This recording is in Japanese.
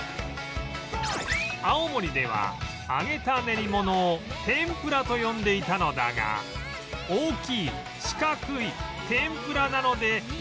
青森では揚げた練り物を天ぷらと呼んでいたのだが大きい・四角い・天ぷらなのでその名が由来